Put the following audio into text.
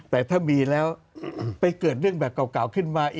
แต่ถ้ามีแล้วไปเกิดเรื่องแบบเก่าขึ้นมา